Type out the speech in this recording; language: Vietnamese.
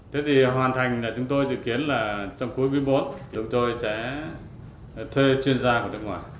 thế thì hoàn thành là chúng tôi dự kiến là trong cuối quý bốn chúng tôi sẽ thuê chuyên gia của nước ngoài